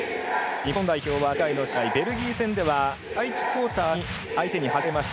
日本代表は前回の試合ベルギー戦では第１クオーターに相手に走られました。